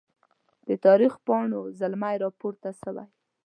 د تاریخ پاڼو زلمي راپورته سوي